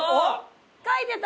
書いてた。